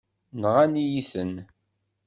Nɣan-iyi-ten.